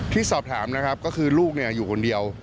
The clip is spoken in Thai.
ที่สอบถามนะครับก็คือลูกอยู่คนเดียว